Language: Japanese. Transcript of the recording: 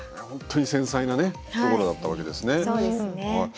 本当に繊細なところだったわけですね。